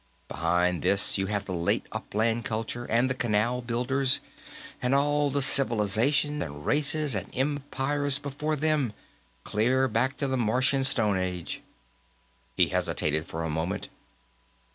Behind this, you have the Late Upland Culture, and the Canal Builders, and all the civilizations and races and empires before them, clear back to the Martian Stone Age." He hesitated for a moment.